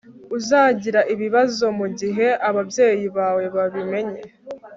Uzagira ibibazo mugihe ababyeyi bawe babimenye